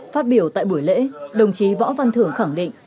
phát biểu tại buổi lễ đồng chí võ văn thưởng khẳng định